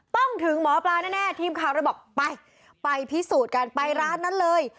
ถึงหมอปลาแน่ทีมข่าวเลยบอกไปไปพิสูจน์กันไปร้านนั้นเลย